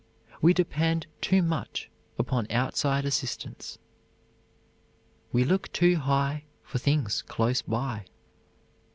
We depend too much upon outside assistance. "We look too high For things close by."